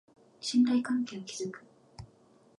信頼関係を築く